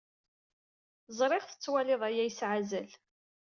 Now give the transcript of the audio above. Ẓriɣ tettwaliḍ aya yesɛa azal.